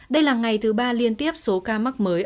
đây là ngày thứ ba liên tiếp số ca mắc mới